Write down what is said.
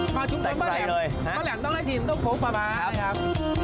มาชุมต้นปลาแหลมปลาแหลมต้องได้ชิมต้มโขงปลาหม้านะครับ